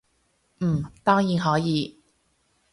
嗯，當然可以